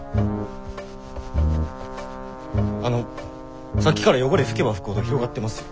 あのさっきから汚れ拭けば拭くほど広がってますよ。